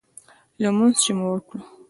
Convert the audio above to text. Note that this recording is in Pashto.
لمونځ چې مو وکړ.